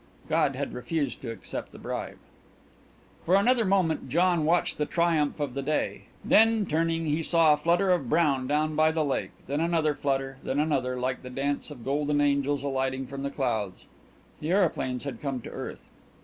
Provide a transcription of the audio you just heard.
God had refused to accept the bribe. For another moment John watched the triumph of the day. Then, turning, he saw a flutter of brown down by the lake, then another flutter, then another, like the dance of golden angels alighting from the clouds. The aeroplanes had come to earth.